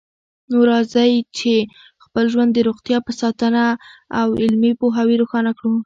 نو راځئ چې خپل ژوند د روغتیا په ساتنه او علمي پوهاوي روښانه کړو